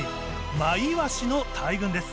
マイワシの大群です。